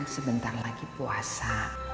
sebentar lagi puasa